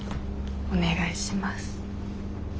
お願いします。